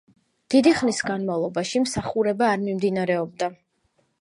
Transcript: დიდი ხნის განმავლობაში მსახურება არ მიმდინარეობდა.